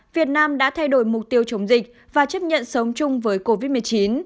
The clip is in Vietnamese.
việt nam đã thay đổi mục tiêu chống dịch và chấp nhận sống chung với covid một mươi chín